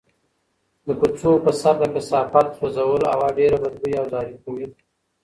د کوڅو په سر د کثافاتو سوځول هوا ډېره بدبویه او زهري کوي.